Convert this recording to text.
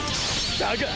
だが！